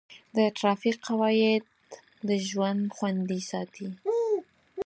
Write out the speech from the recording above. د ټرافیک قواعد د ژوند خوندي ساتي.